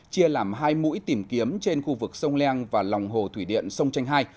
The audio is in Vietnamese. chia làm hai mũi tìm kiếm trên khu vực sông leng và lòng hồ thủy điện sông tranh hai